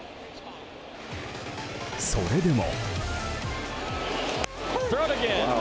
それでも。